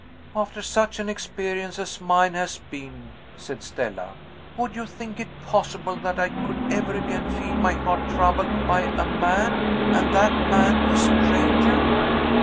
"After such an experience as mine has been," said Stella, "would you think it possible that I could ever again feel my heart troubled by a man and that man a stranger?"